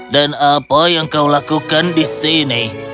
dan apa yang kau lakukan di sini